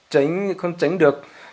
tránh không tránh được